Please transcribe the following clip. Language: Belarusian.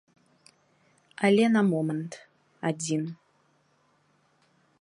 Але на момант адзін.